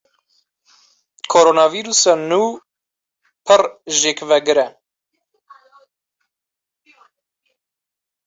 Koronavîrusa nû pir jêkvegir e.